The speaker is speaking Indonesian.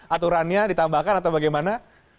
aturannya ditambahkan atau bagaimana